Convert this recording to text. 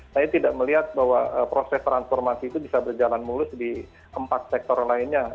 saya tidak melihat bahwa proses transformasi itu bisa berjalan mulus di empat sektor lainnya